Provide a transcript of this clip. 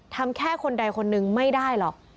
ทำแค่คนใดคนหนึ่งไม่ได้หรอก